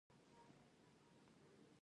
شیریني ډیره خورئ؟